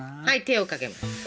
はい手をかけます！